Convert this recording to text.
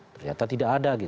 ternyata tidak ada gitu